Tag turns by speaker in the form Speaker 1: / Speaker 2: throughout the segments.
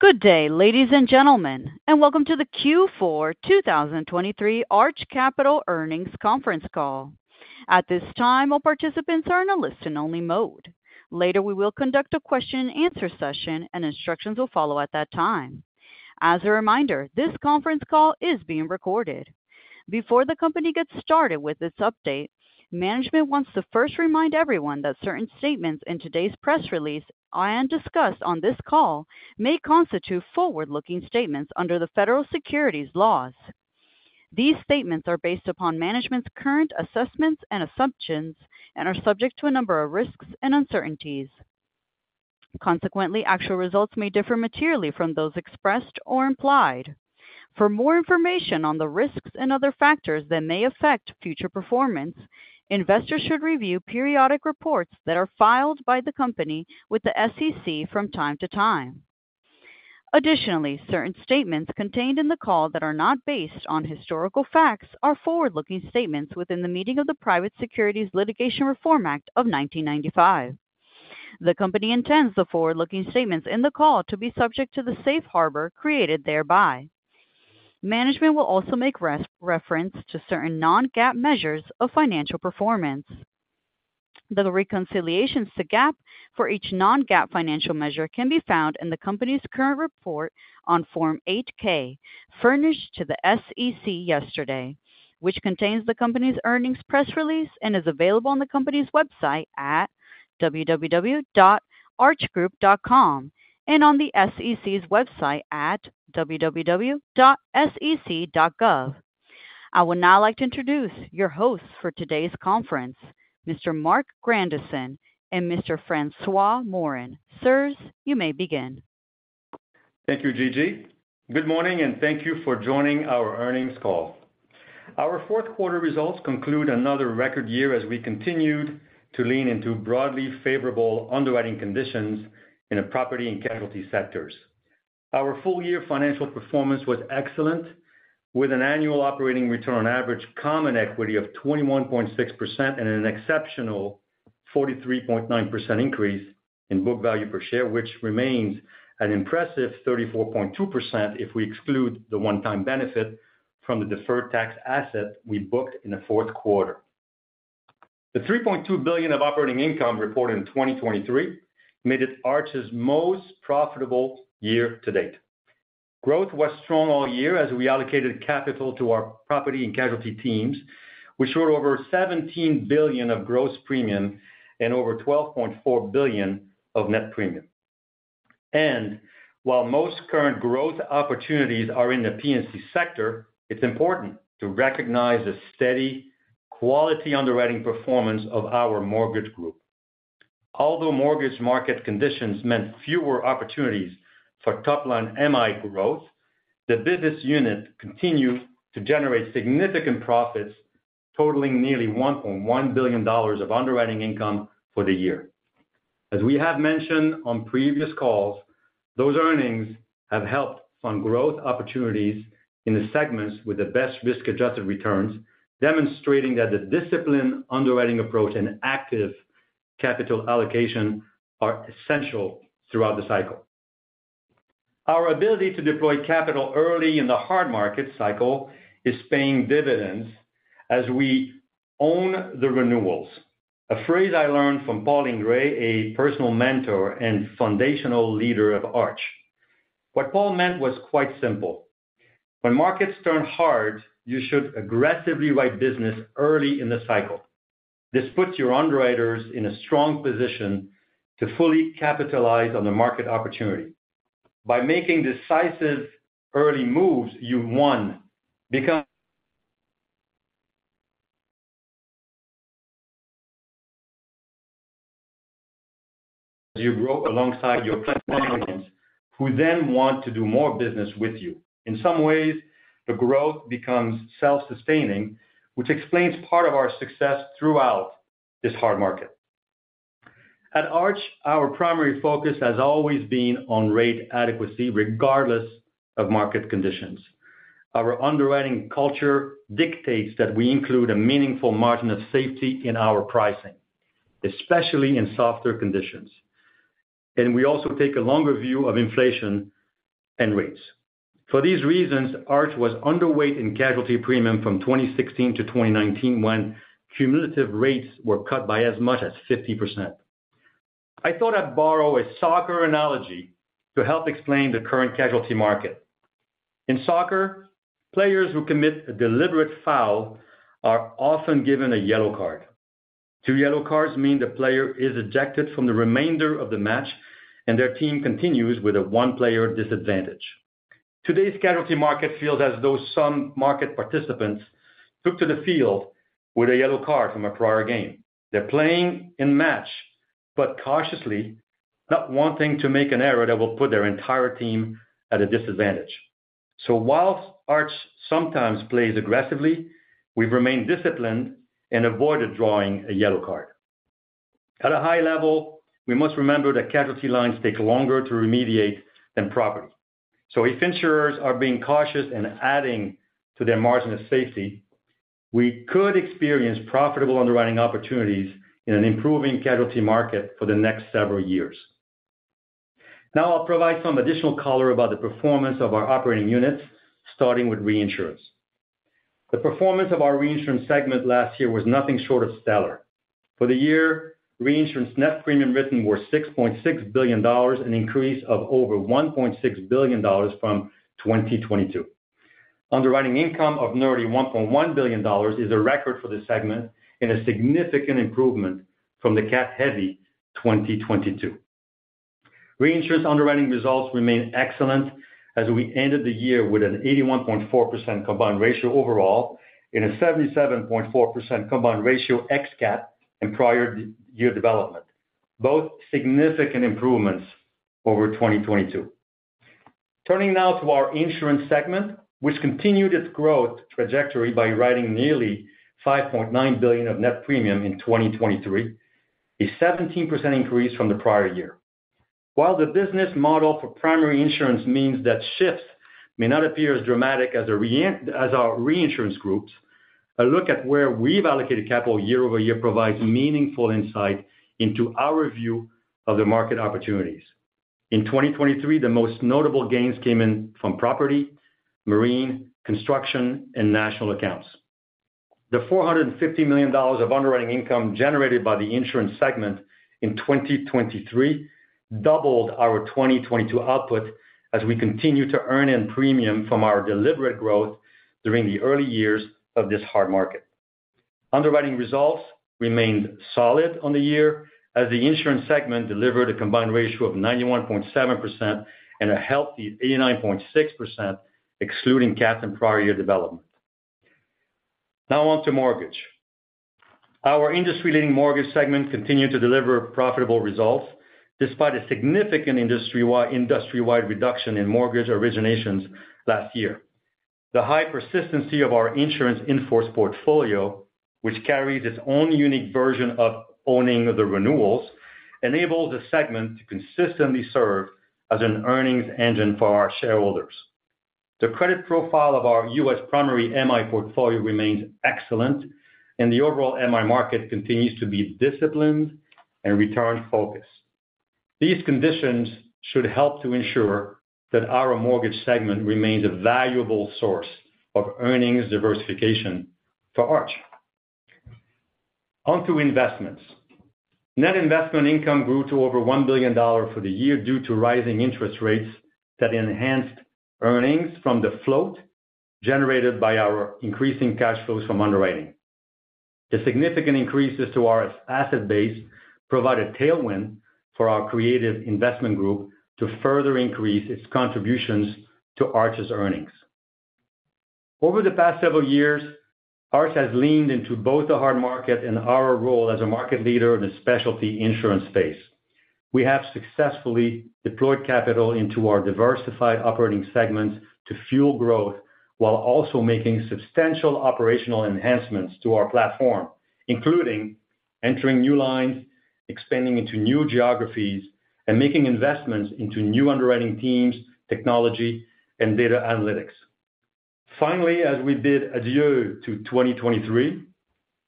Speaker 1: Good day, ladies and gentlemen, and welcome to the Q4 2023 Arch Capital Earnings Conference Call. At this time, all participants are in a listen-only mode. Later we will conduct a question-and-answer session, and instructions will follow at that time. As a reminder, this conference call is being recorded. Before the company gets started with its update, management wants to first remind everyone that certain statements in today's press release I discussed on this call may constitute forward-looking statements under the federal securities laws. These statements are based upon management's current assessments and assumptions and are subject to a number of risks and uncertainties. Consequently, actual results may differ materially from those expressed or implied. For more information on the risks and other factors that may affect future performance, investors should review periodic reports that are filed by the company with the SEC from time to time. Additionally, certain statements contained in the call that are not based on historical facts are forward-looking statements within the meaning of the Private Securities Litigation Reform Act of 1995. The company intends the forward-looking statements in the call to be subject to the safe harbor created thereby. Management will also make reference to certain non-GAAP measures of financial performance. The reconciliations to GAAP for each non-GAAP financial measure can be found in the company's current report on Form 8-K, furnished to the SEC yesterday, which contains the company's earnings press release and is available on the company's website at www.archgroup.com and on the SEC's website at www.sec.gov. I would now like to introduce your hosts for today's conference, Mr. Marc Grandisson and Mr. François Morin. Sirs, you may begin.
Speaker 2: Thank you, Gigi. Good morning, and thank you for joining our earnings call. Our fourth quarter results conclude another record year as we continued to lean into broadly favorable underwriting conditions in the property and casualty sectors. Our full-year financial performance was excellent, with an annual operating return on average common equity of 21.6% and an exceptional 43.9% increase in book value per share, which remains an impressive 34.2% if we exclude the one-time benefit from the deferred tax asset we booked in the fourth quarter. The $3.2 billion of operating income reported in 2023 made it Arch's most profitable year to date. Growth was strong all year as we allocated capital to our property and casualty teams, which wrote over $17 billion of gross premium and over $12.4 billion of net premium. While most current growth opportunities are in the P&C sector, it's important to recognize the steady, quality underwriting performance of our mortgage group. Although mortgage market conditions meant fewer opportunities for top-line MI growth, the business unit continued to generate significant profits, totaling nearly $1.1 billion of underwriting income for the year. As we have mentioned on previous calls, those earnings have helped fund growth opportunities in the segments with the best risk-adjusted returns, demonstrating that the disciplined underwriting approach and active capital allocation are essential throughout the cycle. Our ability to deploy capital early in the hard market cycle is paying dividends as we "own the renewals," a phrase I learned from Paul Ingrey, a personal mentor and foundational leader of Arch. What Paul meant was quite simple: when markets turn hard, you should aggressively write business early in the cycle. This puts your underwriters in a strong position to fully capitalize on the market opportunity. By making decisive early moves, you'll become as you grow alongside your platform audience, who then want to do more business with you. In some ways, the growth becomes self-sustaining, which explains part of our success throughout this hard market. At Arch, our primary focus has always been on rate adequacy regardless of market conditions. Our underwriting culture dictates that we include a meaningful margin of safety in our pricing, especially in softer conditions. We also take a longer view of inflation and rates. For these reasons, Arch was underweight in casualty premium from 2016 to 2019 when cumulative rates were cut by as much as 50%. I thought I'd borrow a soccer analogy to help explain the current casualty market. In soccer, players who commit a deliberate foul are often given a yellow card. Two yellow cards mean the player is ejected from the remainder of the match, and their team continues with a one-player disadvantage. Today's casualty market feels as though some market participants took to the field with a yellow card from a prior game. They're playing in match but cautiously, not wanting to make an error that will put their entire team at a disadvantage. So while Arch sometimes plays aggressively, we've remained disciplined and avoided drawing a yellow card. At a high level, we must remember that casualty lines take longer to remediate than property. So if insurers are being cautious in adding to their margin of safety, we could experience profitable underwriting opportunities in an improving casualty market for the next several years. Now I'll provide some additional color about the performance of our operating units, starting with reinsurance. The performance of our reinsurance segment last year was nothing short of stellar. For the year, reinsurance net premium written were $6.6 billion, an increase of over $1.6 billion from 2022. Underwriting income of nearly $1.1 billion is a record for the segment and a significant improvement from the cat-heavy 2022. Reinsurance underwriting results remain excellent as we ended the year with an 81.4% combined ratio overall and a 77.4% combined ratio ex CAT in prior year development, both significant improvements over 2022. Turning now to our insurance segment, which continued its growth trajectory by writing nearly $5.9 billion of net premium in 2023, a 17% increase from the prior year. While the business model for primary insurance means that shifts may not appear as dramatic as our reinsurance groups, a look at where we've allocated capital year-over-year provides meaningful insight into our view of the market opportunities. In 2023, the most notable gains came in from property, marine, construction, and national accounts. The $450 million of underwriting income generated by the insurance segment in 2023 doubled our 2022 output as we continue to earn in premium from our deliberate growth during the early years of this hard market. Underwriting results remained solid on the year as the insurance segment delivered a combined ratio of 91.7% and a healthy 89.6%, excluding CAT in prior year development. Now on to mortgage. Our industry-leading mortgage segment continued to deliver profitable results despite a significant industry-wide reduction in mortgage originations last year. The high persistency of our insurance-in-force portfolio, which carries its own unique version of owning the renewals, enables the segment to consistently serve as an earnings engine for our shareholders. The credit profile of our U.S. primary MI portfolio remains excellent, and the overall MI market continues to be disciplined and return-focused. These conditions should help to ensure that our mortgage segment remains a valuable source of earnings diversification for Arch. On to investments. Net investment income grew to over $1 billion for the year due to rising interest rates that enhanced earnings from the float generated by our increasing cash flows from underwriting. A significant increase as to our asset base provided a tailwind for our creative investment group to further increase its contributions to Arch's earnings. Over the past several years, Arch has leaned into both the hard market and our role as a market leader in the specialty insurance space. We have successfully deployed capital into our diversified operating segments to fuel growth while also making substantial operational enhancements to our platform, including entering new lines, expanding into new geographies, and making investments into new underwriting teams, technology, and data analytics. Finally, as we bid adieu to 2023,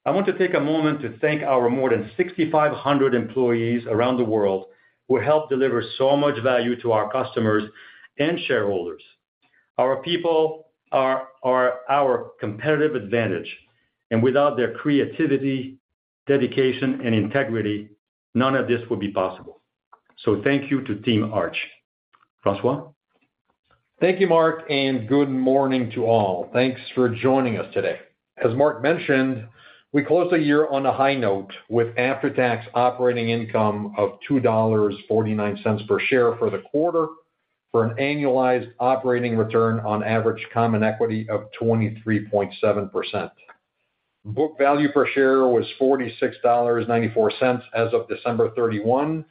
Speaker 2: I want to take a moment to thank our more than 6,500 employees around the world who helped deliver so much value to our customers and shareholders. Our people are our competitive advantage, and without their creativity, dedication, and integrity, none of this would be possible. So thank you to Team Arch. François?
Speaker 3: Thank you, Marc, and good morning to all. Thanks for joining us today. As Marc mentioned, we closed the year on a high note with after-tax operating income of $2.49 per share for the quarter, for an annualized operating return on average common equity of 23.7%. Book value per share was $46.94 as of December 31,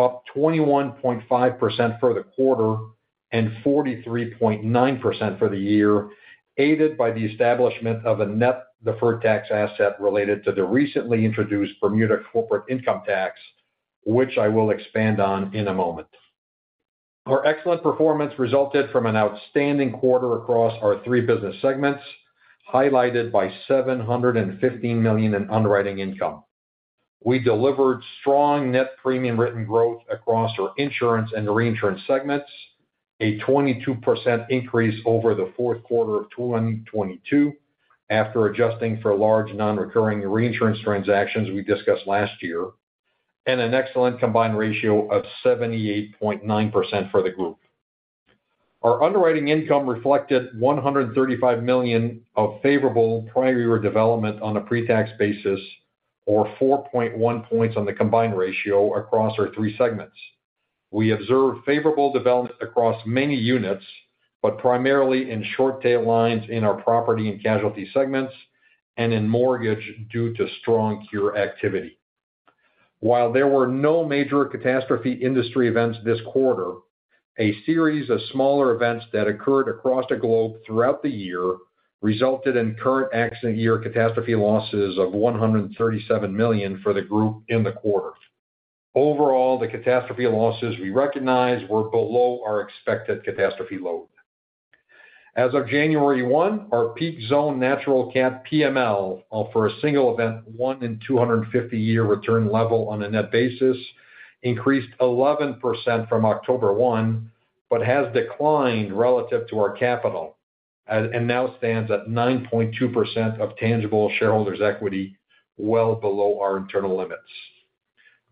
Speaker 3: up 21.5% for the quarter and 43.9% for the year, aided by the establishment of a net deferred tax asset related to the recently introduced Bermuda corporate income tax, which I will expand on in a moment. Our excellent performance resulted from an outstanding quarter across our three business segments, highlighted by $715 million in underwriting income. We delivered strong net premium written growth across our insurance and reinsurance segments, a 22% increase over the fourth quarter of 2022 after adjusting for large non-recurring reinsurance transactions we discussed last year, and an excellent combined ratio of 78.9% for the group. Our underwriting income reflected $135 million of favorable prior year development on a pre-tax basis, or 4.1 points on the combined ratio across our three segments. We observed favorable development across many units, but primarily in short-tail lines in our property and casualty segments and in mortgage due to strong cure activity. While there were no major catastrophe industry events this quarter, a series of smaller events that occurred across the globe throughout the year resulted in current accident year catastrophe losses of $137 million for the group in the quarter. Overall, the catastrophe losses we recognize were below our expected catastrophe load. As of January 1, our peak zone natural CAT PML for a single event, 1-in-250-year return level on a net basis, increased 11% from October 1 but has declined relative to our capital and now stands at 9.2% of tangible shareholders' equity, well below our internal limits.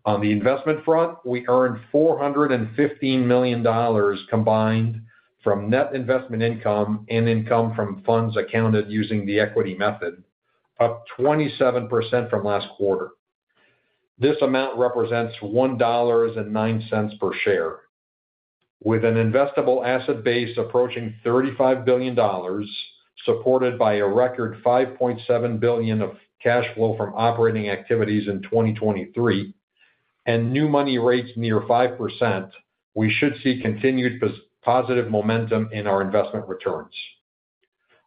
Speaker 3: On the investment front, we earned $415 million combined from net investment income and income from funds accounted using the equity method, up 27% from last quarter. This amount represents $1.09 per share. With an investable asset base approaching $35 billion, supported by a record $5.7 billion of cash flow from operating activities in 2023 and new money rates near 5%, we should see continued positive momentum in our investment returns.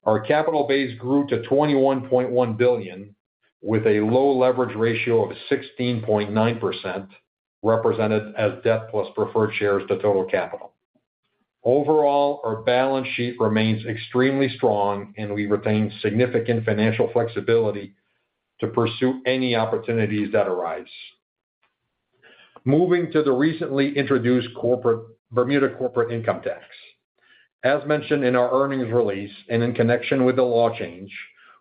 Speaker 3: Our capital base grew to $21.1 billion, with a low leverage ratio of 16.9%, represented as debt plus preferred shares to total capital. Overall, our balance sheet remains extremely strong, and we retain significant financial flexibility to pursue any opportunities that arise. Moving to the recently introduced Bermuda corporate income tax. As mentioned in our earnings release and in connection with the law change,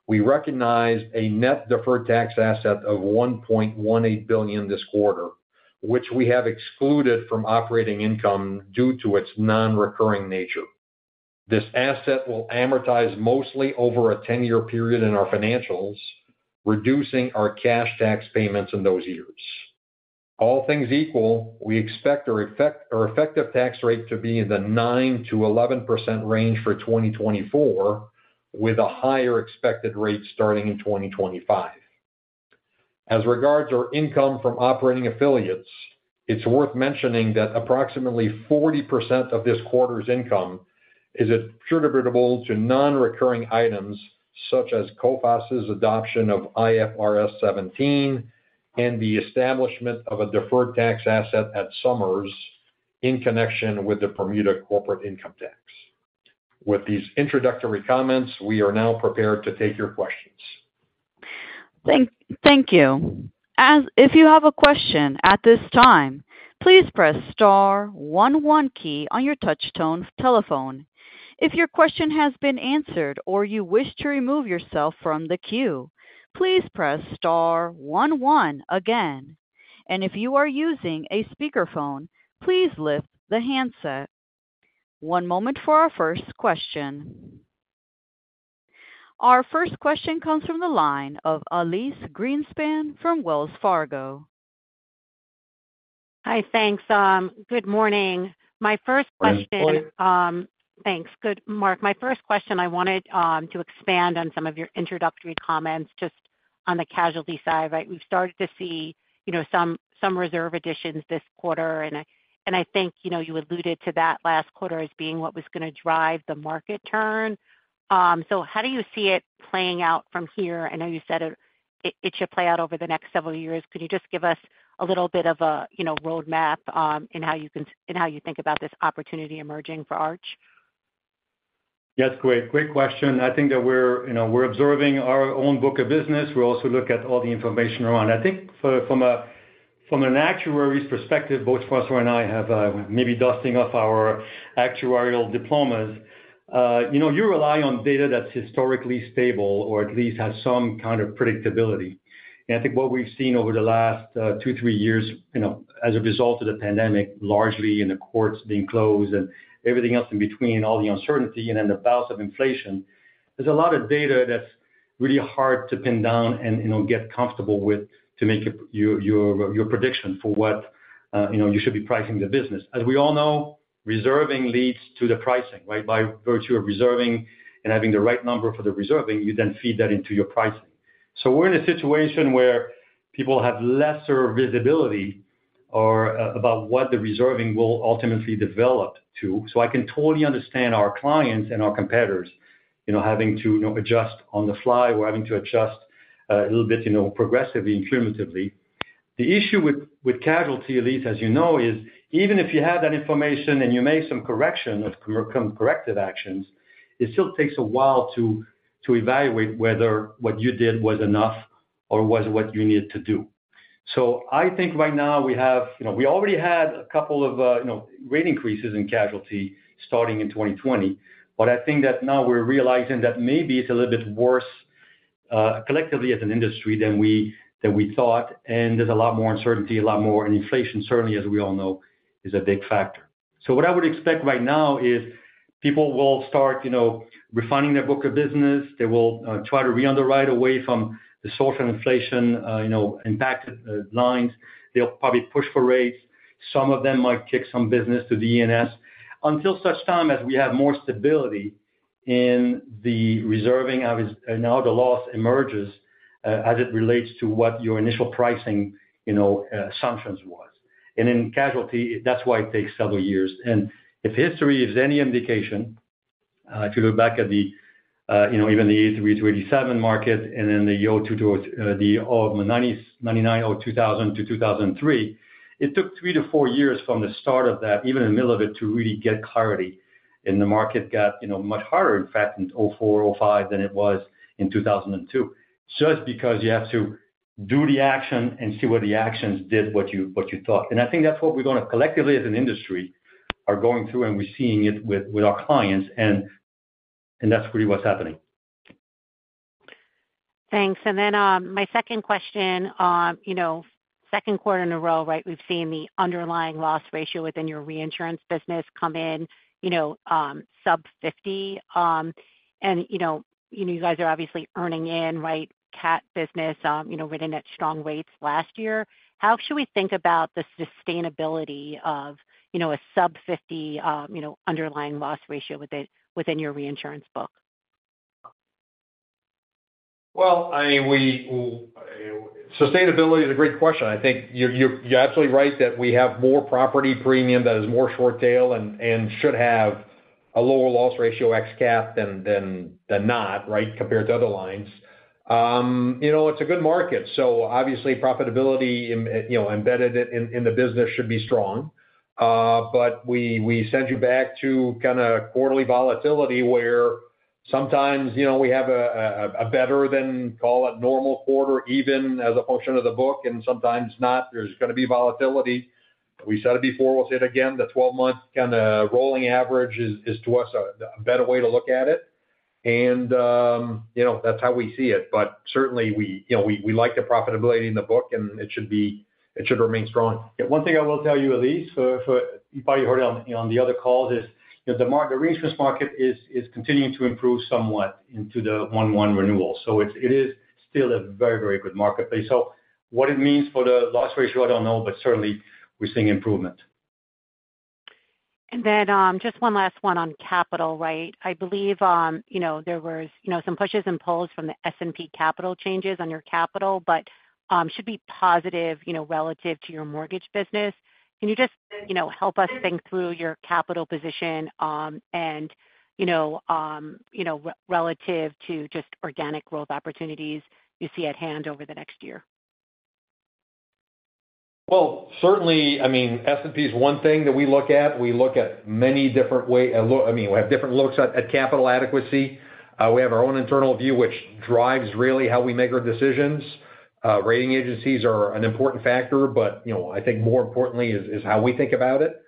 Speaker 3: we recognize a net deferred tax asset of $1.18 billion this quarter, which we have excluded from operating income due to its non-recurring nature. This asset will amortize mostly over a 10-year period in our financials, reducing our cash tax payments in those years. All things equal, we expect our effective tax rate to be in the 9%-11% range for 2024, with a higher expected rate starting in 2025. As regards to our income from operating affiliates, it's worth mentioning that approximately 40% of this quarter's income is attributable to non-recurring items such as Coface's adoption of IFRS 17 and the establishment of a deferred tax asset at Somers in connection with the Bermuda corporate income tax. With these introductory comments, we are now prepared to take your questions.
Speaker 1: Thank you. If you have a question at this time, please press star one one key on your touch-tone telephone. If your question has been answered or you wish to remove yourself from the queue, please press star one one again. If you are using a speakerphone, please lift the handset. One moment for our first question. Our first question comes from the line of Elyse Greenspan from Wells Fargo.
Speaker 4: Hi, thanks. Good morning. My first question, I wanted to expand on some of your introductory comments just on the casualty side, right? We've started to see some reserve additions this quarter, and I think you alluded to that last quarter as being what was going to drive the market turn. So how do you see it playing out from here? I know you said it should play out over the next several years. Could you just give us a little bit of a roadmap in how you think about this opportunity emerging for Arch?
Speaker 5: Yes, great. Great question. I think that we're observing our own book of business. We also look at all the information around. I think from an actuary's perspective, both François and I have maybe dusting off our actuarial diplomas, you rely on data that's historically stable or at least has some kind of predictability. I think what we've seen over the last 2, 3 years as a result of the pandemic, largely in the courts being closed and everything else in between, all the uncertainty and then the bounce of inflation, there's a lot of data that's really hard to pin down and get comfortable with to make your prediction for what you should be pricing the business. As we all know, reserving leads to the pricing, right? By virtue of reserving and having the right number for the reserving, you then feed that into your pricing. So we're in a situation where people have lesser visibility about what the reserving will ultimately develop to. So I can totally understand our clients and our competitors having to adjust on the fly or having to adjust a little bit progressively, incrementally. The issue with casualty, at least as you know, is even if you have that information and you make some correction of corrective actions, it still takes a while to evaluate whether what you did was enough or was what you needed to do. So I think right now we already had a couple of rate increases in casualty starting in 2020, but I think that now we're realizing that maybe it's a little bit worse collectively as an industry than we thought, and there's a lot more uncertainty, a lot more, and inflation, certainly, as we all know, is a big factor. What I would expect right now is people will start refining their book of business. They will try to re-underwrite away from the social inflation-impacted lines. They'll probably push for rates. Some of them might kick some business to the E&S. Until such time as we have more stability in the reserving, now the loss emerges as it relates to what your initial pricing assumptions was. In casualty, that's why it takes several years. If history gives any indication, if you look back at even the 1983-1987 market and then the 2002-2009 or 2000-2003, it took 3-4 years from the start of that, even in the middle of it, to really get clarity. The market got much harder, in fact, in 2004, 2005 than it was in 2002, just because you have to do the action and see what the actions did, what you thought. I think that's what we're going to collectively as an industry are going through, and we're seeing it with our clients, and that's really what's happening.
Speaker 4: Thanks. And then my second question, second quarter in a row, right? We've seen the underlying loss ratio within your reinsurance business come in sub-50. And you guys are obviously earning in, right? CAT business written at strong rates last year. How should we think about the sustainability of a sub-50 underlying loss ratio within your reinsurance book?
Speaker 2: Well, I mean, sustainability is a great question. I think you're absolutely right that we have more property premium that is more short-tail and should have a lower loss ratio ex cap than not, right, compared to other lines. It's a good market. So obviously, profitability embedded in the business should be strong. But we send you back to kind of quarterly volatility where sometimes we have a better than, call it, normal quarter even as a function of the book, and sometimes not. There's going to be volatility. We said it before. We'll say it again. The 12-month kind of rolling average is, to us, a better way to look at it. And that's how we see it. But certainly, we like the profitability in the book, and it should remain strong.
Speaker 3: Yeah. One thing I will tell you, Elyse, you probably heard it on the other calls, is the reinsurance market is continuing to improve somewhat into the 1/1 renewal. So it is still a very, very good marketplace. So what it means for the loss ratio, I don't know, but certainly, we're seeing improvement.
Speaker 4: And then just one last one on capital, right? I believe there were some pushes and pulls from the S&P capital changes on your capital, but should be positive relative to your mortgage business. Can you just help us think through your capital position and relative to just organic growth opportunities you see at hand over the next year?
Speaker 2: Well, certainly, I mean, S&P is one thing that we look at. We look at many different ways, I mean, we have different looks at capital adequacy. We have our own internal view, which drives really how we make our decisions. Rating agencies are an important factor, but I think more importantly is how we think about it.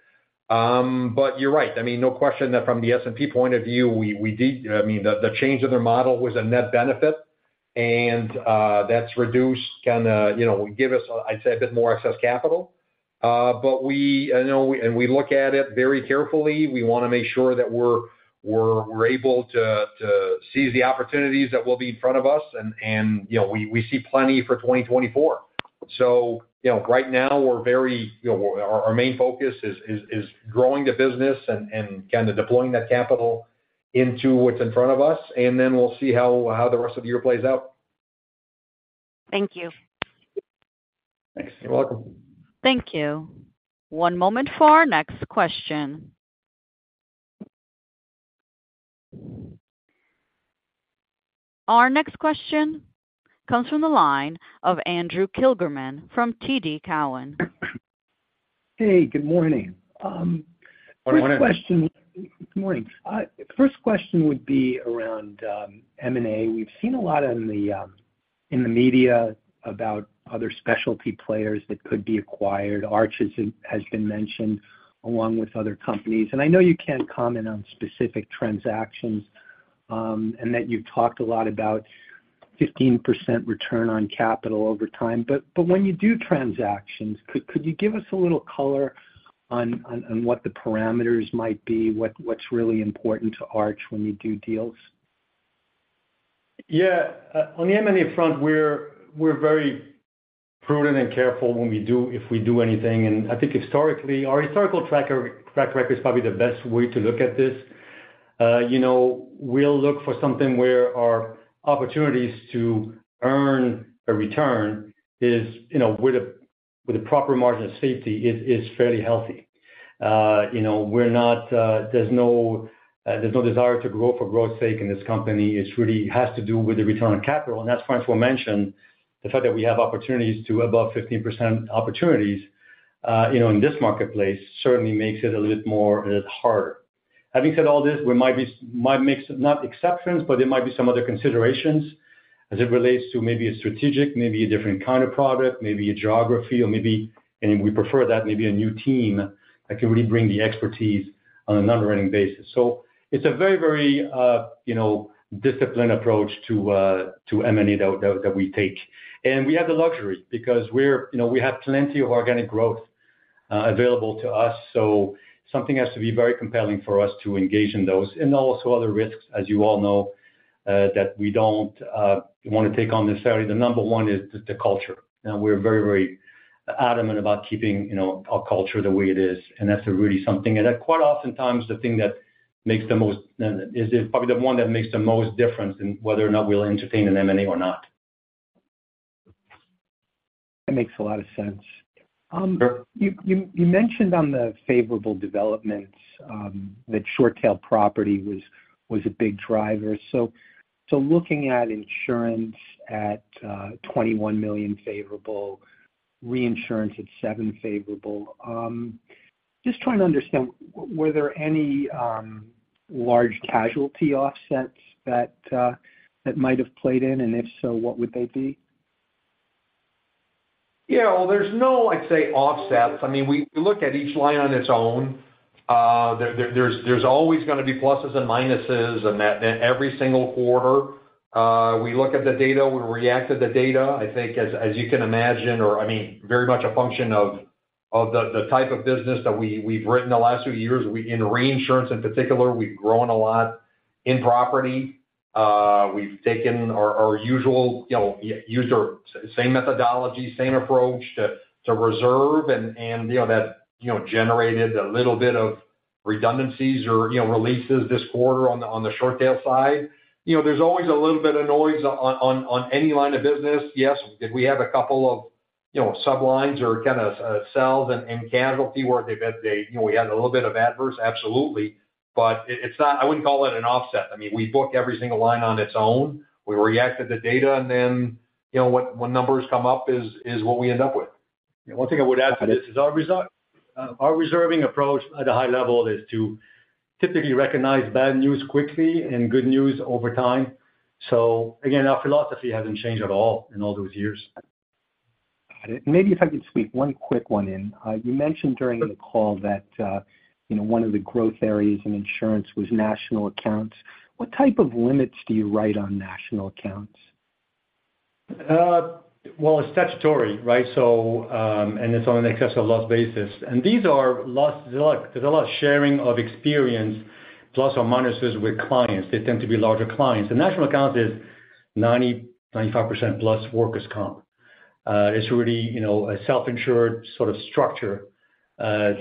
Speaker 2: But you're right. I mean, no question that from the S&P point of view, we did, I mean, the change of their model was a net benefit, and that's reduced, kind of gave us, I'd say, a bit more excess capital. But we and we look at it very carefully. We want to make sure that we're able to seize the opportunities that will be in front of us, and we see plenty for 2024. Right now, we're very our main focus is growing the business and kind of deploying that capital into what's in front of us, and then we'll see how the rest of the year plays out.
Speaker 4: Thank you.
Speaker 3: Thanks. You're welcome.
Speaker 1: Thank you. One moment for our next question. Our next question comes from the line of Andrew Kligerman from TD Cowen.
Speaker 6: Hey. Good morning.
Speaker 3: Morning.
Speaker 6: Good morning. First question would be around M&A. We've seen a lot in the media about other specialty players that could be acquired. Arch has been mentioned along with other companies. I know you can't comment on specific transactions and that you've talked a lot about 15% return on capital over time. But when you do transactions, could you give us a little color on what the parameters might be, what's really important to Arch when you do deals?
Speaker 5: Yeah. On the M&A front, we're very prudent and careful if we do anything. I think historically, our historical track record is probably the best way to look at this. We'll look for something where our opportunities to earn a return with a proper margin of safety is fairly healthy. There's no desire to grow for growth's sake in this company. It really has to do with the return on capital. As François mentioned, the fact that we have opportunities to above 15% opportunities in this marketplace certainly makes it a little bit more harder. Having said all this, we might make not exceptions, but there might be some other considerations as it relates to maybe a strategic, maybe a different kind of product, maybe a geography, or maybe and we prefer that, maybe a new team that can really bring the expertise on an underwriting basis. It's a very, very disciplined approach to M&A that we take. We have the luxury because we have plenty of organic growth available to us. Something has to be very compelling for us to engage in those and also other risks, as you all know, that we don't want to take on necessarily. The number one is the culture. We're very, very adamant about keeping our culture the way it is. That's really something and quite oftentimes, the thing that makes the most is probably the one that makes the most difference in whether or not we'll entertain an M&A or not.
Speaker 6: That makes a lot of sense. You mentioned on the favorable developments that short-tail property was a big driver. So looking at insurance at $21 million favorable, reinsurance at $7 million favorable, just trying to understand, were there any large casualty offsets that might have played in? And if so, what would they be?
Speaker 2: Yeah. Well, there's no, I'd say, offsets. I mean, we look at each line on its own. There's always going to be pluses and minuses in every single quarter. We look at the data. We react to the data, I think, as you can imagine, or I mean, very much a function of the type of business that we've written the last few years. In reinsurance in particular, we've grown a lot in property. We've taken our usual used our same methodology, same approach to reserve, and that generated a little bit of redundancies or releases this quarter on the short-tail side. There's always a little bit of noise on any line of business. Yes, did we have a couple of sublines or kind of sells in casualty where we had a little bit of adverse? Absolutely. But I wouldn't call it an offset. I mean, we book every single line on its own. We react to the data, and then when numbers come up is what we end up with.
Speaker 3: Yeah. One thing I would add to this is our reserving approach at a high level is to typically recognize bad news quickly and good news over time. So again, our philosophy hasn't changed at all in all those years.
Speaker 6: Got it. Maybe if I could sweep one quick one in. You mentioned during the call that one of the growth areas in insurance was national accounts. What type of limits do you write on national accounts?
Speaker 3: Well, it's statutory, right? It's on an excessive loss basis. There's a lot of sharing of experience plus or minuses with clients. They tend to be larger clients. National accounts is 95% plus workers' comp. It's really a self-insured sort of structure of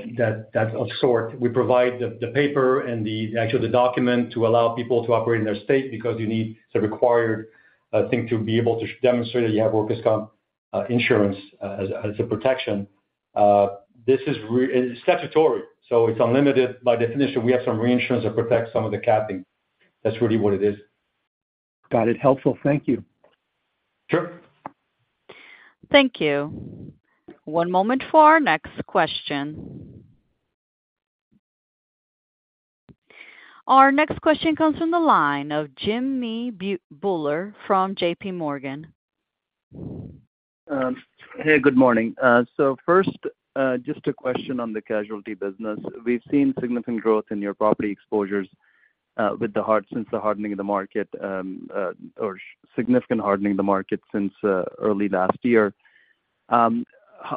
Speaker 3: sort. We provide the paper and actually the document to allow people to operate in their state because you need. It's a required thing to be able to demonstrate that you have workers' comp insurance as a protection. This is statutory. It's unlimited. By definition, we have some reinsurance that protects some of the capping. That's really what it is.
Speaker 6: Got it. Helpful. Thank you.
Speaker 3: Sure.
Speaker 1: Thank you. One moment for our next question. Our next question comes from the line of Jimmy Bhullar from JP Morgan.
Speaker 7: Hey. Good morning. So first, just a question on the casualty business. We've seen significant growth in your property exposures since the hardening of the market or significant hardening of the market since early last year.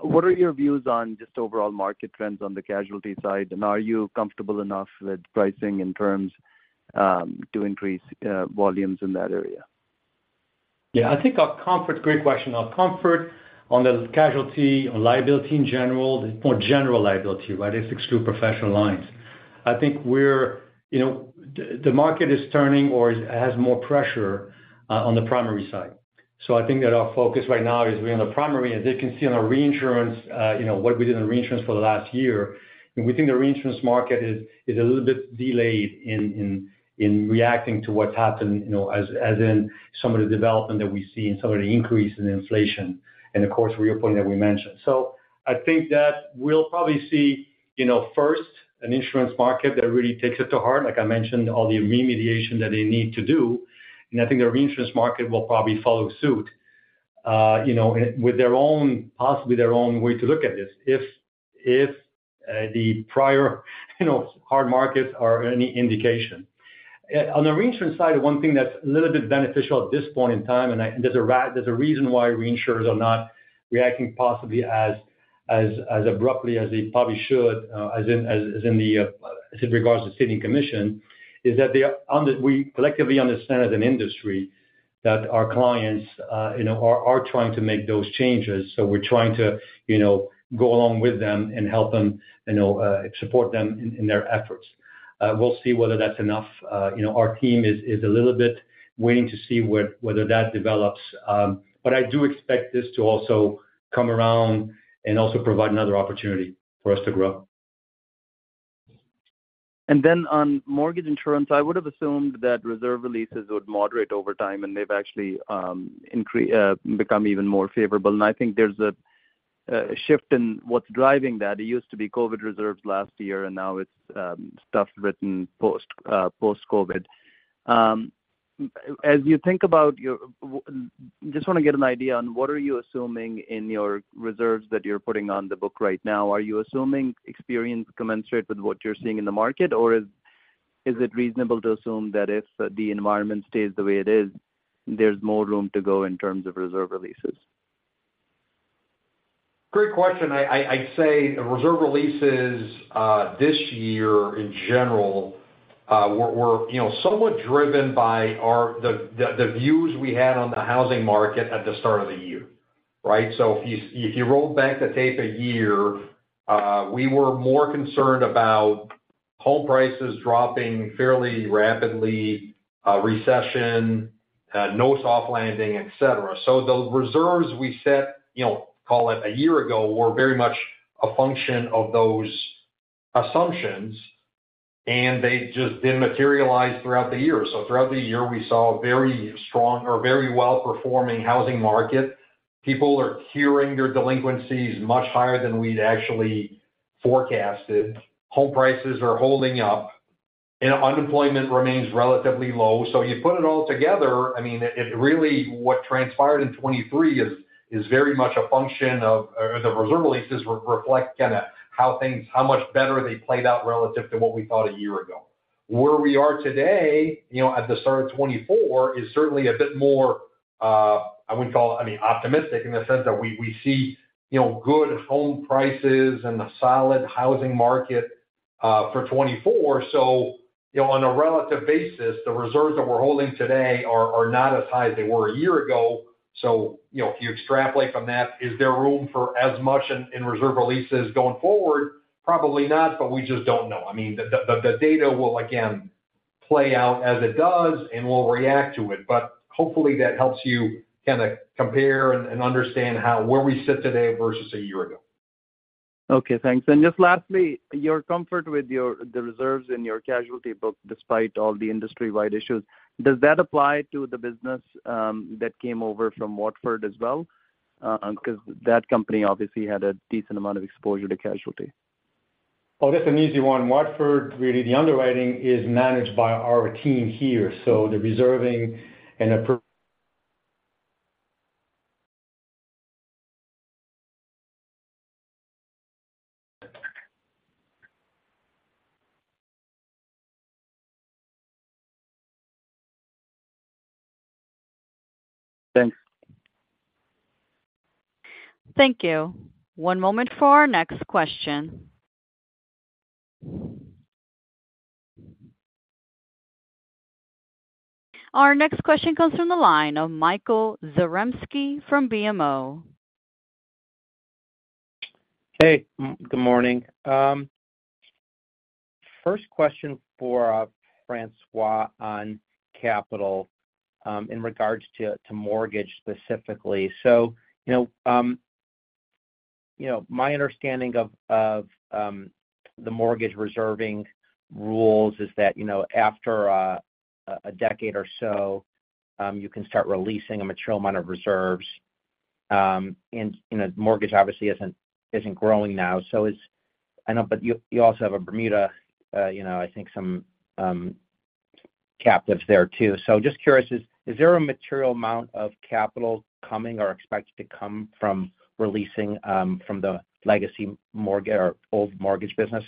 Speaker 7: What are your views on just overall market trends on the casualty side? And are you comfortable enough with pricing in terms to increase volumes in that area?
Speaker 3: Yeah. I think our comfort's a great question. Our comfort on the casualty, on liability in general, the more general liability, right? Let's exclude professional lines. I think the market is turning or has more pressure on the primary side. So I think that our focus right now is really on the primary. As they can see on our reinsurance, what we did in reinsurance for the last year, we think the reinsurance market is a little bit delayed in reacting to what's happened, as in some of the development that we see and some of the increase in inflation and, of course, reopening that we mentioned. So I think that we'll probably see first an insurance market that really takes it to heart. Like I mentioned, all the remediation that they need to do. And I think the reinsurance market will probably follow suit with possibly their own way to look at this if the prior hard markets are any indication. On the reinsurance side, one thing that's a little bit beneficial at this point in time, and there's a reason why reinsurers are not reacting possibly as abruptly as they probably should, as it regards the Ceding Commission, is that we collectively understand as an industry that our clients are trying to make those changes. So we're trying to go along with them and help them, support them in their efforts. We'll see whether that's enough. Our team is a little bit waiting to see whether that develops. But I do expect this to also come around and also provide another opportunity for us to grow.
Speaker 7: On mortgage insurance, I would have assumed that reserve releases would moderate over time, and they've actually become even more favorable. I think there's a shift in what's driving that. It used to be COVID reserves last year, and now it's stuff written post-COVID. As you think about, I just want to get an idea on what are you assuming in your reserves that you're putting on the book right now? Are you assuming experience commensurate with what you're seeing in the market, or is it reasonable to assume that if the environment stays the way it is, there's more room to go in terms of reserve releases?
Speaker 2: Great question. I'd say reserve releases this year, in general, were somewhat driven by the views we had on the housing market at the start of the year, right? So if you roll back the tape a year, we were more concerned about home prices dropping fairly rapidly, recession, no soft landing, etc. So the reserves we set, call it, a year ago were very much a function of those assumptions, and they just didn't materialize throughout the year. So throughout the year, we saw a very strong or very well-performing housing market. People are curing their delinquencies much higher than we'd actually forecasted. Home prices are holding up, and unemployment remains relatively low. So you put it all together, I mean, really, what transpired in 2023 is very much a function of the reserve releases reflect kind of how much better they played out relative to what we thought a year ago. Where we are today at the start of 2024 is certainly a bit more I wouldn't call it, I mean, optimistic in the sense that we see good home prices and a solid housing market for 2024. So on a relative basis, the reserves that we're holding today are not as high as they were a year ago. So if you extrapolate from that, is there room for as much in reserve releases going forward? Probably not, but we just don't know. I mean, the data will, again, play out as it does, and we'll react to it. Hopefully, that helps you kind of compare and understand where we sit today versus a year ago.
Speaker 7: Okay. Thanks. And just lastly, your comfort with the reserves in your casualty book despite all the industry-wide issues, does that apply to the business that came over from Watford as well? Because that company obviously had a decent amount of exposure to casualty.
Speaker 3: Oh, that's an easy one. Watford, really, the underwriting is managed by our team here. So the reserving and.
Speaker 7: Thanks.
Speaker 1: Thank you. One moment for our next question. Our next question comes from the line of Michael Zaremski from BMO.
Speaker 8: Hey. Good morning. First question for François on capital in regards to mortgage specifically. So my understanding of the mortgage reserving rules is that after a decade or so, you can start releasing a material amount of reserves. And mortgage, obviously, isn't growing now. So I know, but you also have a Bermuda, I think, some captives there too. So just curious, is there a material amount of capital coming or expected to come from releasing from the legacy or old mortgage business?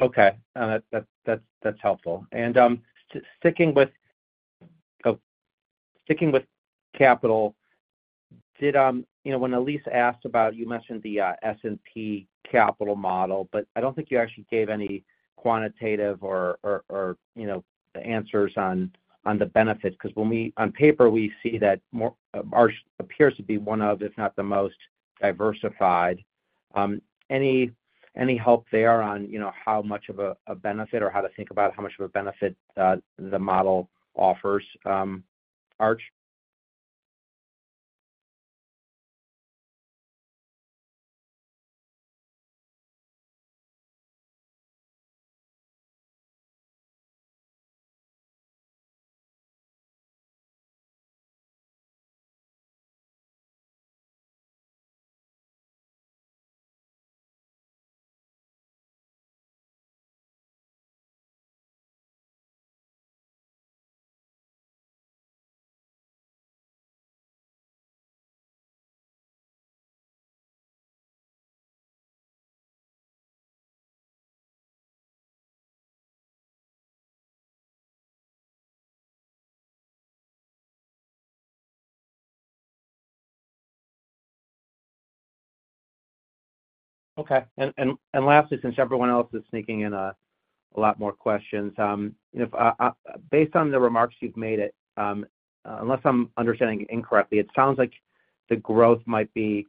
Speaker 8: Okay. That's helpful. And sticking with capital, when Elyse asked about you mentioned the S&P capital model, but I don't think you actually gave any quantitative or answers on the benefits. Because on paper, we see that Arch appears to be one of, if not the most, diversified. Any help there on how much of a benefit or how to think about how much of a benefit the model offers, Arch? Okay. And lastly, since everyone else is sneaking in a lot more questions, based on the remarks you've made, unless I'm understanding incorrectly, it sounds like the growth might be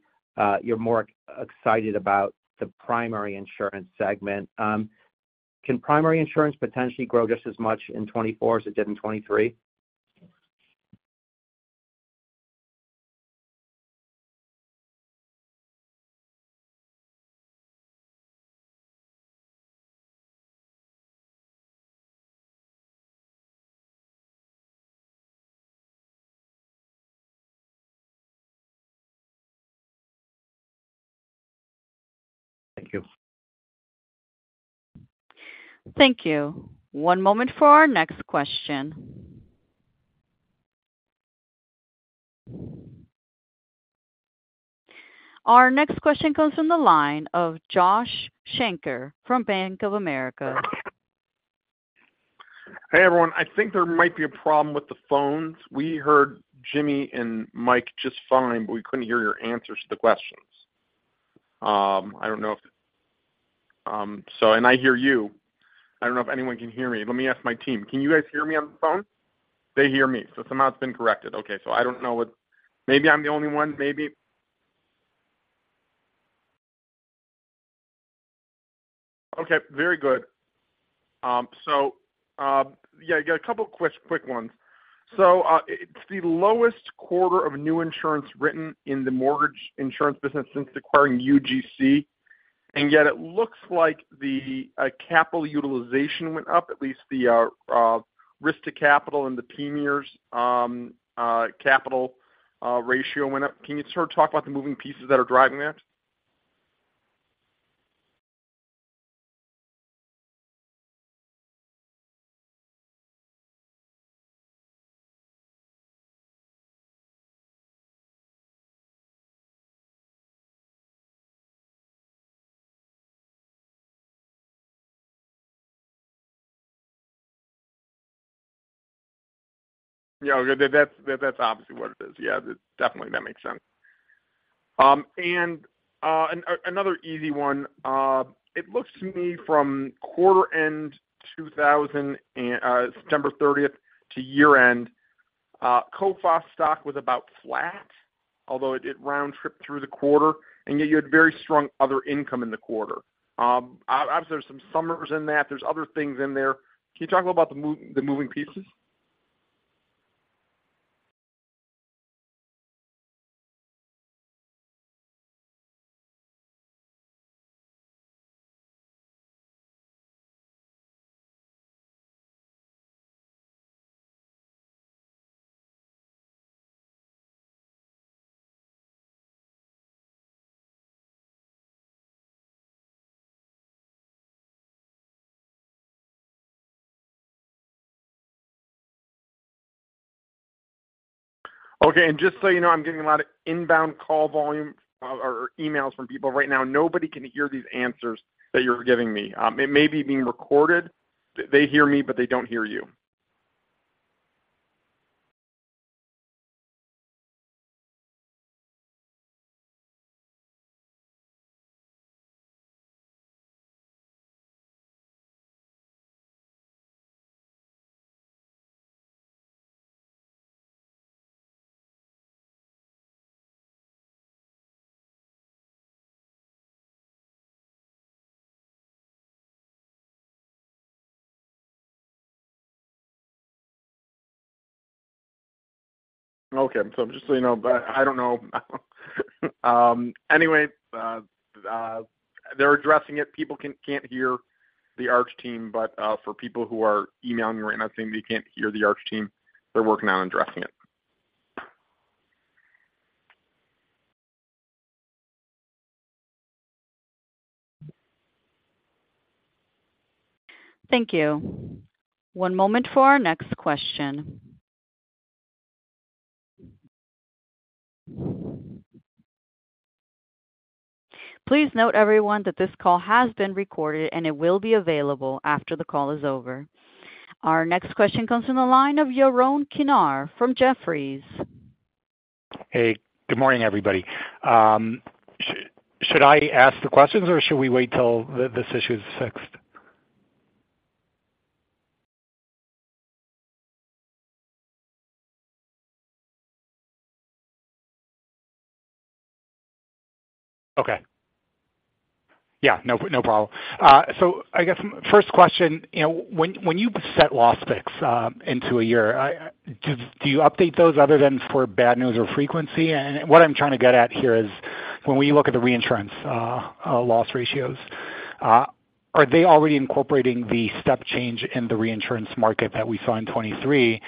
Speaker 8: you're more excited about the primary insurance segment. Can primary insurance potentially grow just as much in 2024 as it did in 2023? Thank you.
Speaker 1: Thank you. One moment for our next question. Our next question comes from the line of Josh Shanker from Bank of America.
Speaker 9: Hey, everyone. I think there might be a problem with the phones. We heard Jimmy and Mike just fine, but we couldn't hear your answers to the questions. I don't know if you can hear me. I don't know if anyone can hear me. Let me ask my team. Can you guys hear me on the phone? They hear me. So somehow, it's been corrected. Okay. So I don't know what. Maybe I'm the only one. Maybe. Okay. Very good. So yeah, I got a couple of quick ones. So it's the lowest quarter of new insurance written in the mortgage insurance business since acquiring UGC. And yet, it looks like the capital utilization went up, at least the risk-to-capital and the PMIERs capital ratio went up. Can you sort of talk about the moving pieces that are driving that? Yeah. That's obviously what it is. Yeah. Definitely. That makes sense. And another easy one, it looks to me from quarter-end 2000, September 30th to year-end, Coface stock was about flat, although it round-tripped through the quarter. And yet, you had very strong other income in the quarter. Obviously, there's some summers in that. There's other things in there. Can you talk a little about the moving pieces? Okay. And just so you know, I'm getting a lot of inbound call volume or emails from people right now. Nobody can hear these answers that you're giving me. It may be being recorded. They hear me, but they don't hear you. Okay. So just so you know, I don't know. Anyway, they're addressing it. People can't hear the Arch team. But for people who are emailing right now, it seems they can't hear the Arch team. They're working on addressing it.
Speaker 1: Thank you. One moment for our next question. Please note, everyone, that this call has been recorded, and it will be available after the call is over. Our next question comes from the line of Yaron Kinar from Jefferies.
Speaker 10: Hey. Good morning, everybody. Should I ask the questions, or should we wait till this issue is fixed? Okay. Yeah. No problem. So I guess first question, when you set loss picks into a year, do you update those other than for bad news or frequency? And what I'm trying to get at here is when we look at the reinsurance loss ratios, are they already incorporating the step change in the reinsurance market that we saw in 2023,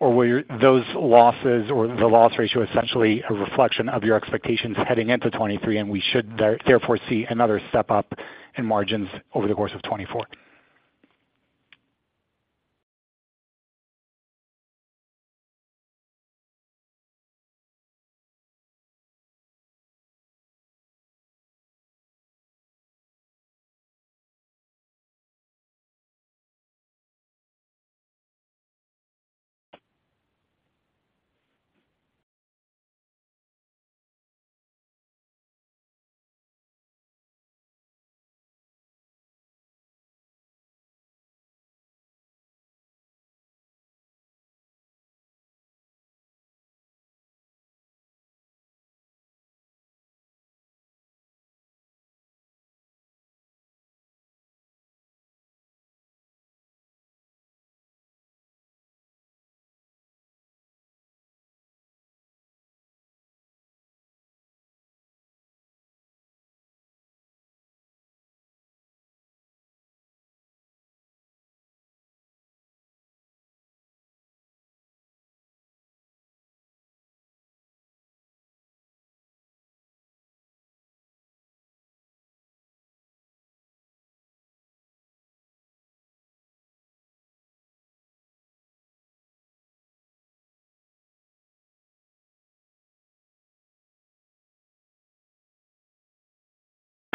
Speaker 10: or were those losses or the loss ratio essentially a reflection of your expectations heading into 2023, and we should therefore see another step up in margins over the course of 2024?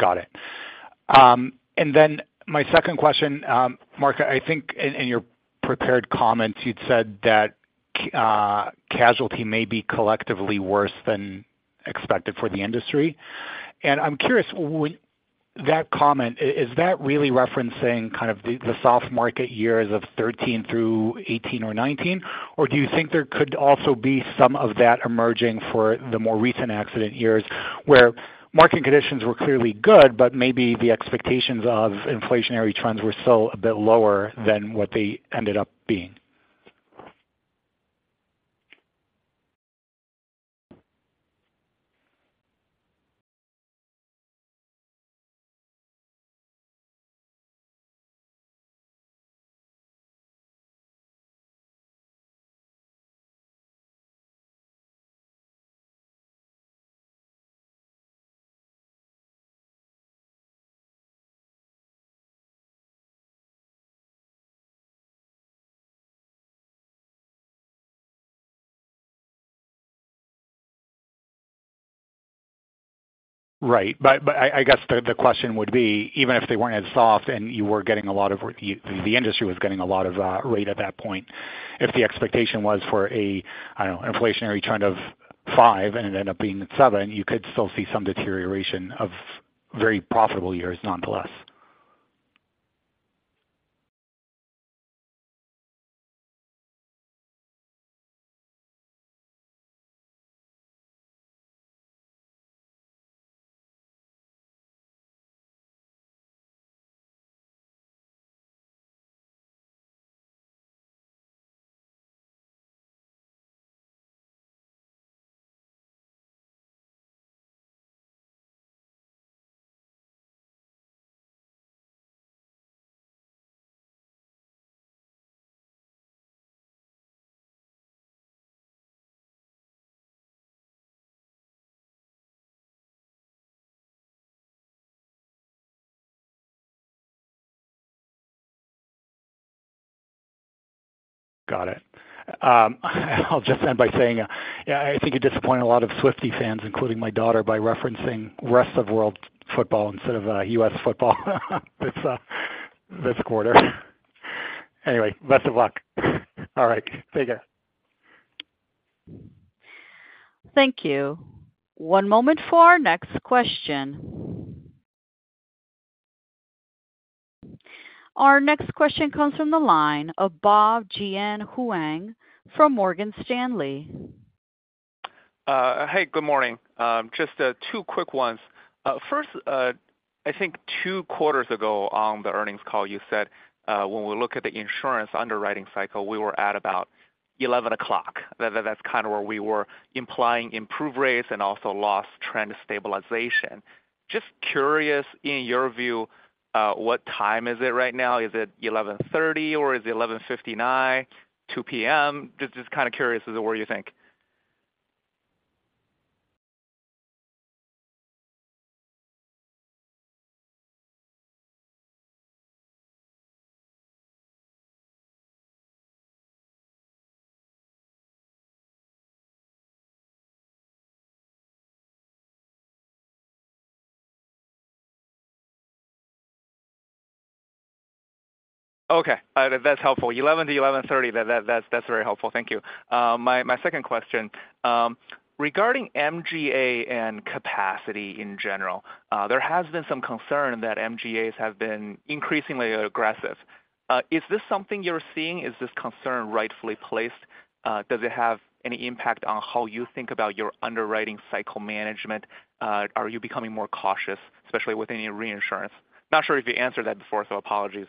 Speaker 10: Got it. And then my second question, Marco, I think in your prepared comments, you'd said that casualty may be collectively worse than expected for the industry. And I'm curious, that comment, is that really referencing kind of the soft market years of 2013 through 2018 or 2019, or do you think there could also be some of that emerging for the more recent accident years where market conditions were clearly good, but maybe the expectations of inflationary trends were still a bit lower than what they ended up being? Right. But I guess the question would be, even if they weren't as soft and you were getting a lot of the industry was getting a lot of rate at that point, if the expectation was for a, I don't know, inflationary trend of 5 and it ended up being 7, you could still see some deterioration of very profitable years, nonetheless. Got it. I'll just end by saying, yeah, I think you disappointed a lot of Swiftie fans, including my daughter, by referencing rest of world football instead of US football this quarter. Anyway, best of luck. All right. Take care.
Speaker 1: Thank you. One moment for our next question. Our next question comes from the line of Bob Jian Huang from Morgan Stanley.
Speaker 11: Hey. Good morning. Just two quick ones. First, I think two quarters ago on the earnings call, you said when we look at the insurance underwriting cycle, we were at about 11 o'clock. That's kind of where we were implying improved rates and also loss trend stabilization. Just curious, in your view, what time is it right now? Is it 11:30, or is it 11:59, 2:00 P.M.? Just kind of curious. Is it where you think? Okay. That's helpful. 11:00 to 11:30, that's very helpful. Thank you. My second question, regarding MGA and capacity in general, there has been some concern that MGAs have been increasingly aggressive. Is this something you're seeing? Is this concern rightfully placed? Does it have any impact on how you think about your underwriting cycle management? Are you becoming more cautious, especially with any reinsurance? Not sure if you answered that before, so apologies.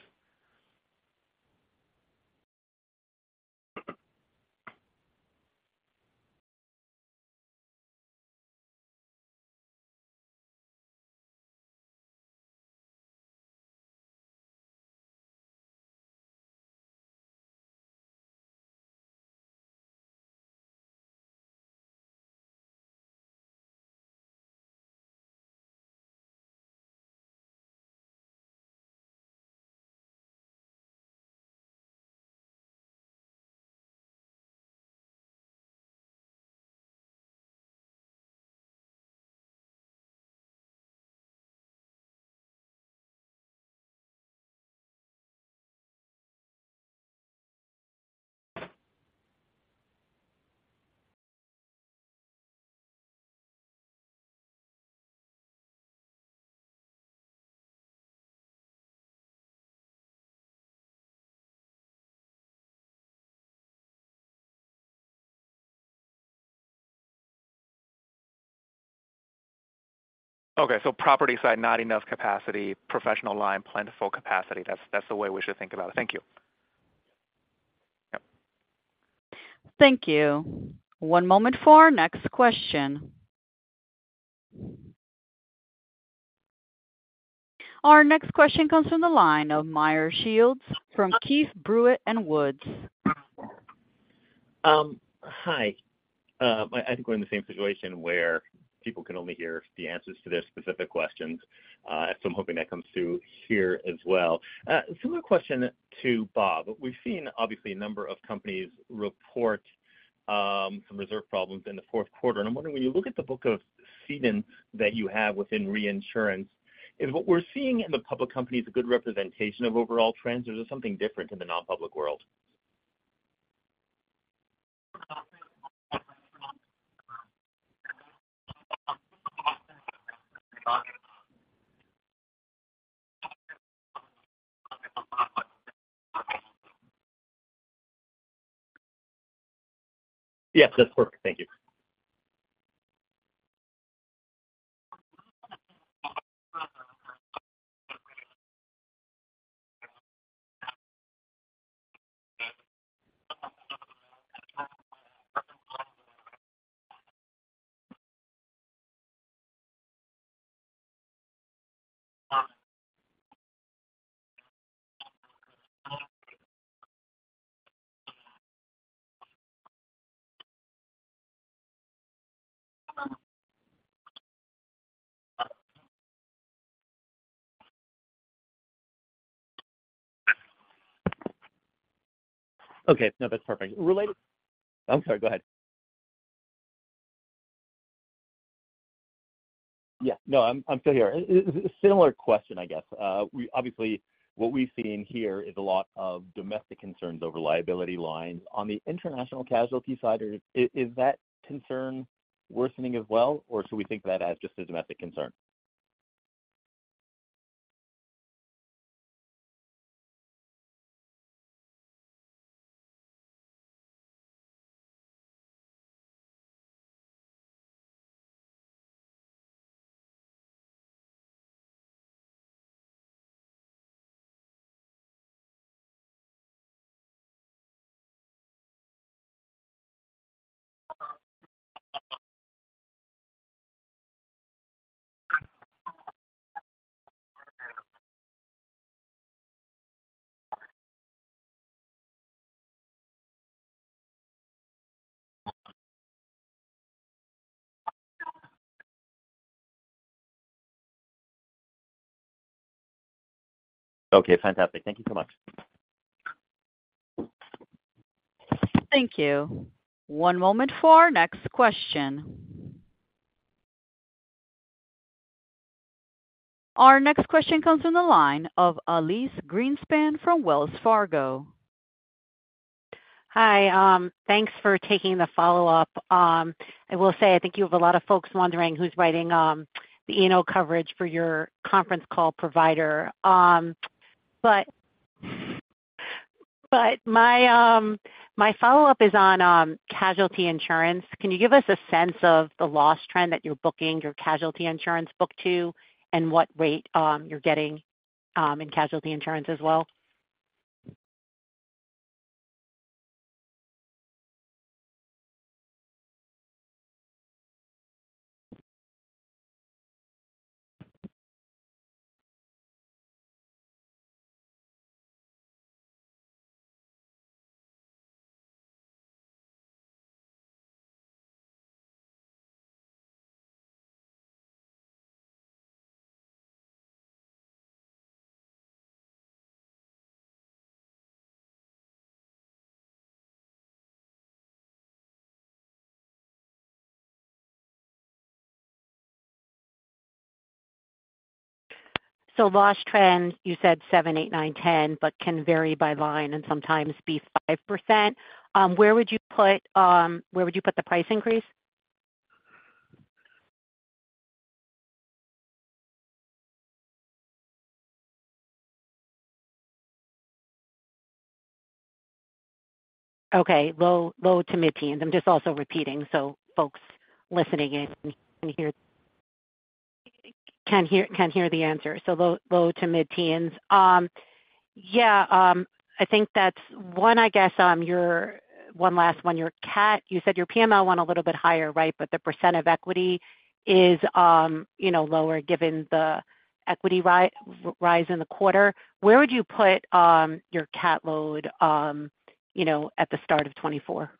Speaker 11: Okay. So property side, not enough capacity, professional line, plentiful capacity. That's the way we should think about it. Thank you. Yep.
Speaker 1: Thank you. One moment for our next question. Our next question comes from the line of Meyer Shields from Keefe, Bruyette & Woods.
Speaker 12: Hi. I think we're in the same situation where people can only hear the answers to their specific questions, so I'm hoping that comes through here as well. Similar question to Bob. We've seen, obviously, a number of companies report some reserve problems in the fourth quarter. And I'm wondering, when you look at the book of cedants that you have within reinsurance, is what we're seeing in the public companies a good representation of overall trends, or is it something different in the nonpublic world? Yes. That's perfect. Thank you. Okay. No, that's perfect. I'm sorry. Go ahead. Yeah. No, I'm still here. Similar question, I guess. Obviously, what we've seen here is a lot of domestic concerns over liability lines. On the international casualty side, is that concern worsening as well, or should we think of that as just a domestic concern? Okay. Fantastic. Thank you so much.
Speaker 1: Thank you. One moment for our next question. Our next question comes from the line of Elyse Greenspan from Wells Fargo.
Speaker 4: Hi. Thanks for taking the follow-up. I will say, I think you have a lot of folks wondering who's writing the annual coverage for your conference call provider. But my follow-up is on casualty insurance. Can you give us a sense of the loss trend that you're booking, your casualty insurance book to, and what rate you're getting in casualty insurance as well? So loss trend, you said 7, 8, 9, 10, but can vary by line and sometimes be 5%. Where would you put where would you put the price increase? Okay. Low to mid-teens. I'm just also repeating, so folks listening in can hear the answer. So low to mid-teens. Yeah. I think that's one, I guess, your one last one, your CAT. You said your PML went a little bit higher, right, but the % of equity is lower given the equity rise in the quarter. Where would you put your CAT load at the start of 2024?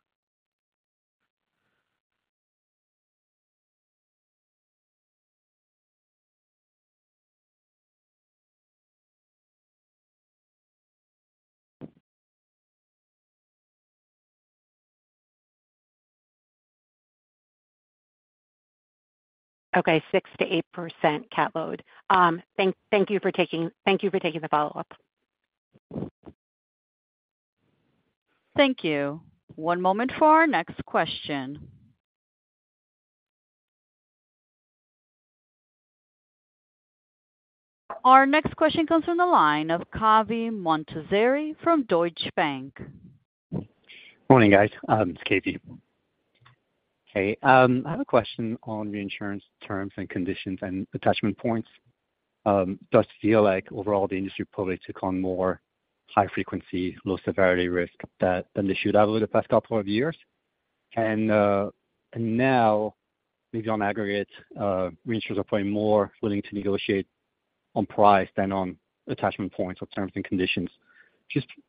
Speaker 4: Okay. 6%-8% CAT load. Thank you for taking the follow-up.
Speaker 1: Thank you. One moment for our next question. Our next question comes from the line of Kaveh Montazeri from Deutsche Bank.
Speaker 13: Morning, guys. It's Kaveh. Hey. I have a question on reinsurance terms and conditions and attachment points. Does it feel like overall the industry public took on more high-frequency, low-severity risk than they should over the past couple of years? And now, maybe on aggregate, reinsurers are probably more willing to negotiate on price than on attachment points or terms and conditions.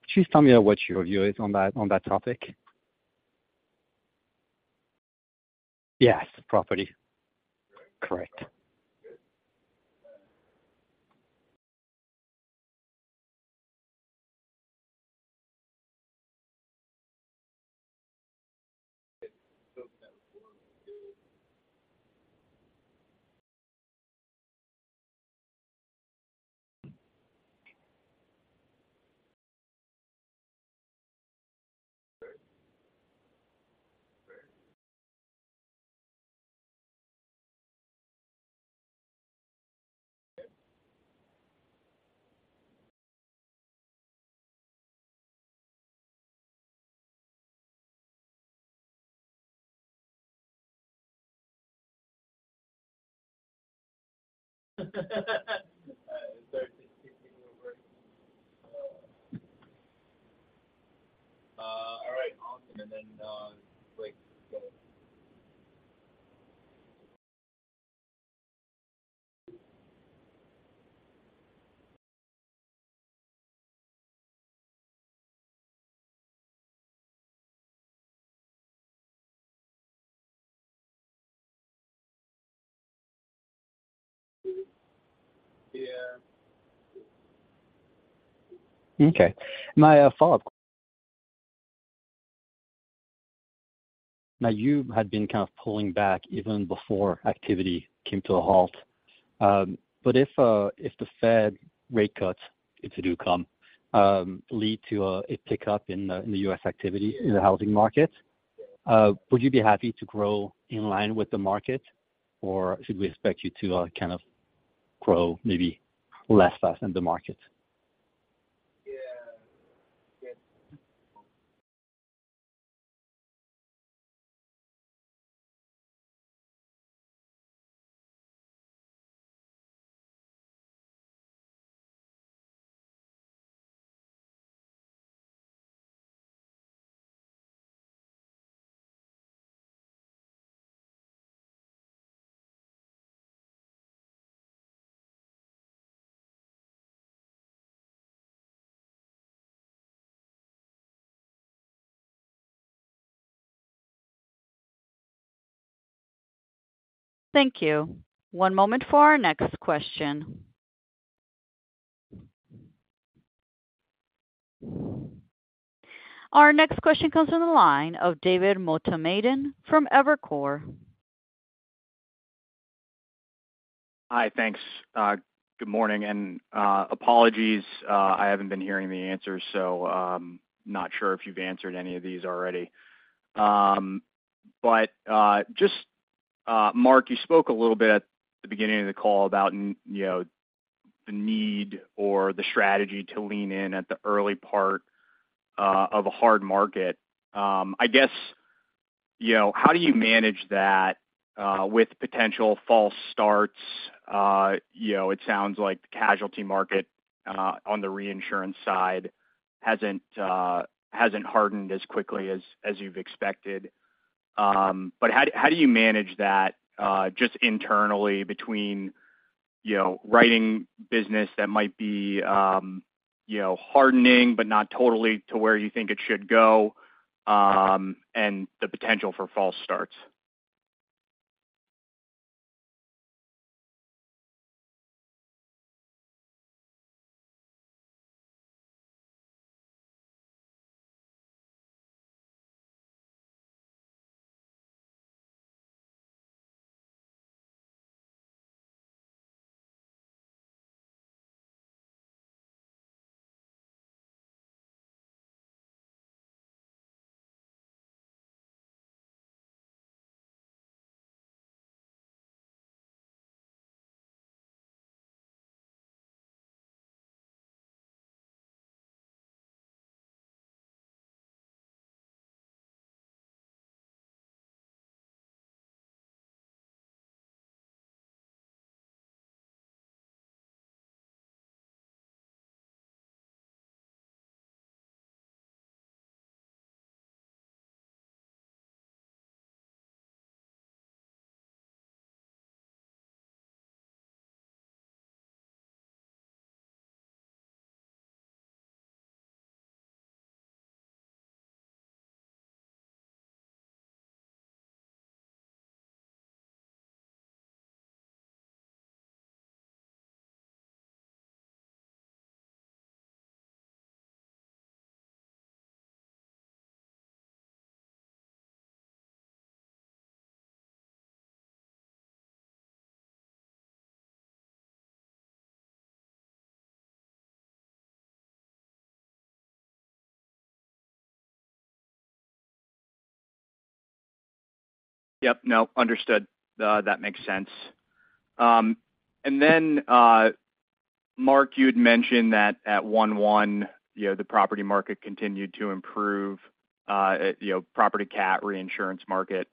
Speaker 13: Please tell me what your view is on that topic. Yes. Property. Correct. All right. Awesome. And then yeah. Okay. My follow-up. Now, you had been kind of pulling back even before activity came to a halt. But if the Fed rate cuts, if they do come, lead to a pickup in the U.S. activity in the housing market, would you be happy to grow in line with the market, or should we expect you to kind of grow maybe less fast than the market?
Speaker 1: Thank you. One moment for our next question. Our next question comes from the line of David Motemaden from Evercore.
Speaker 14: Hi. Thanks. Good morning. And apologies, I haven't been hearing the answers, so not sure if you've answered any of these already. But just, Marc, you spoke a little bit at the beginning of the call about the need or the strategy to lean in at the early part of a hard market. I guess, how do you manage that with potential false starts? It sounds like the casualty market on the reinsurance side hasn't hardened as quickly as you've expected. But how do you manage that just internally between writing business that might be hardening but not totally to where you think it should go and the potential for false starts? Yep. No, understood. That makes sense. And then, Marc, you had mentioned that at 1/1, the property market continued to improve, property CAT reinsurance market.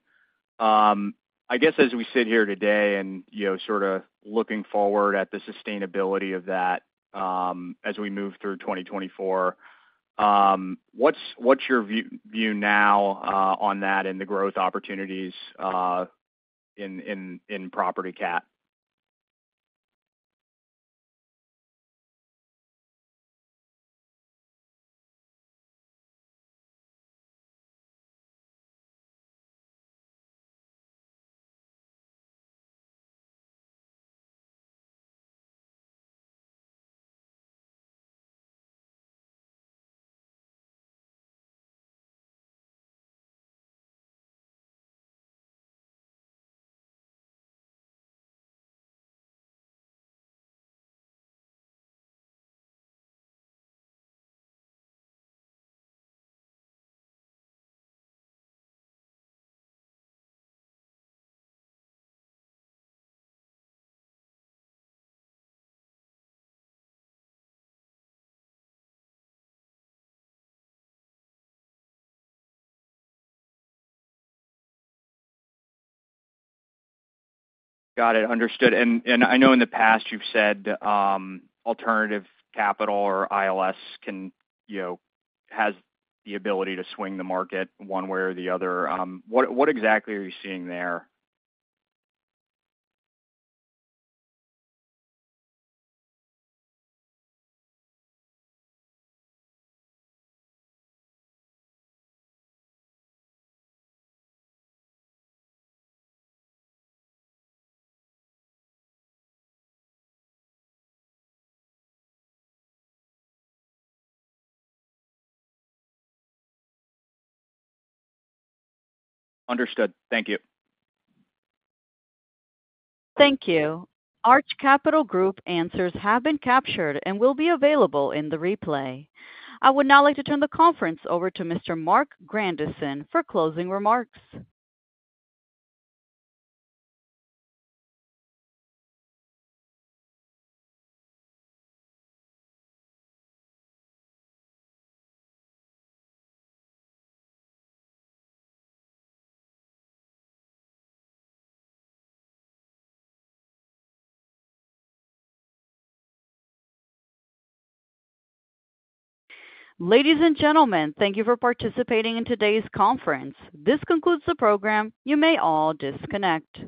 Speaker 14: I guess as we sit here today and sort of looking forward at the sustainability of that as we move through 2024, what's your view now on that and the growth opportunities in property CAT? Got it. Understood. And I know in the past you've said alternative capital or ILS has the ability to swing the market one way or the other. What exactly are you seeing there? Understood. Thank you.
Speaker 1: Thank you. Arch Capital Group answers have been captured and will be available in the replay. I would now like to turn the conference over to Mr. Marc Grandisson for closing remarks. Ladies and gentlemen, thank you for participating in today's conference. This concludes the program. You may all disconnect.